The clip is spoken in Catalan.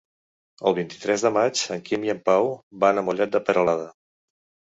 El vint-i-tres de maig en Quim i en Pau van a Mollet de Peralada.